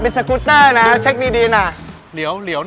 เพือกประดี